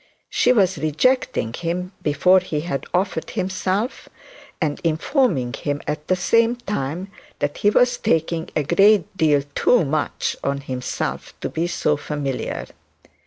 She was rejecting him before he had offered himself, and informed him at the same time that he was taking a great deal too much on himself to be so familiar.